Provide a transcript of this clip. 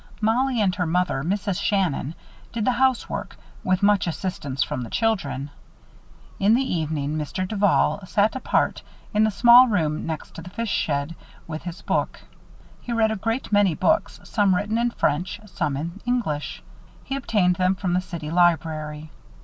Mollie and her mother, Mrs. Shannon, did the housework, with much assistance from the children. In the evening Mr. Duval sat apart, in the small room next to the fish shed, with his book. He read a great many books, some written in French, some in English. He obtained them from the city library.